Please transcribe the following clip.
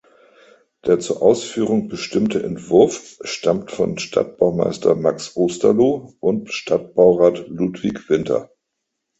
Der zur Ausführung bestimmte Entwurf stammt von Stadtbaumeister Max Osterloh und Stadtbaurat Ludwig Winter.